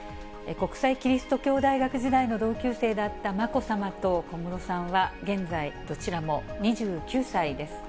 国際基督教大学時代の同級生だったまこさまと小室さんは、現在どちらも２９歳です。